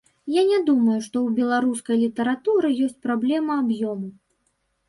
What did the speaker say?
Я не думаю, што ў беларускай літаратуры ёсць праблема аб'ёму.